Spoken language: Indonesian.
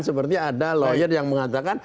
seperti ada lawyer yang mengatakan